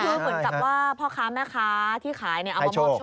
คือเหมือนกับว่าพ่อค้าแม่ค้าที่ขายเอามามอบ